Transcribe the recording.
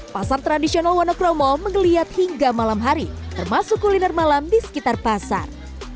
pasar tradisional wonokromo mengeliat hingga malam hari termasuk kuliner malam di sekitar pasar